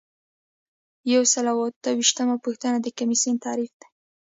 یو سل او اته ویشتمه پوښتنه د کمیسیون تعریف دی.